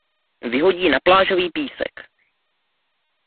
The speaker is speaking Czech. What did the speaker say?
Vyhodí na plážový písek.